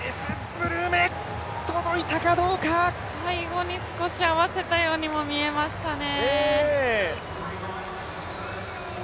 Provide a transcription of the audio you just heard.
最後に少し合わせたようにも見えましたね。